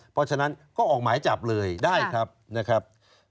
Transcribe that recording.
เพราะฉะนั้นก็ออกหมายจับเลยได้ครับนะครับ